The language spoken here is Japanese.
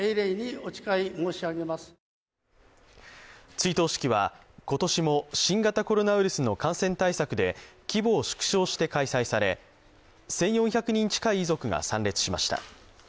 追悼式は今年も新型コロナウイルスの感染対策で規模を縮小して開催され１４００人近い遺族が参列しました。